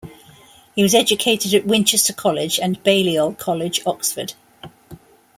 He was educated at Winchester College and Balliol College, Oxford.